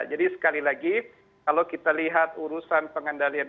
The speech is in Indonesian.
jadi sekali lagi kalau kita lihat urusan pengendalian